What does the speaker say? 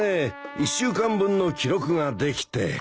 １週間分の記録ができて。